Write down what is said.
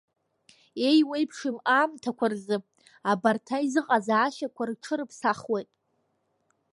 Иеиуеиԥшым аамҭақәа рзы абарҭ аизыҟазаашьақәа рҽырыԥсахуеит.